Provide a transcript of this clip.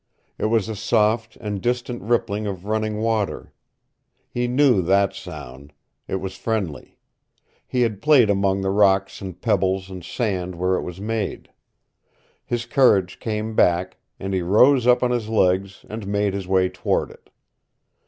It was a soft and distant rippling of running water. He knew that sound. It was friendly. He had played among the rocks and pebbles and sand where it was made. His courage came back, and he rose up on his legs, and made his way toward it.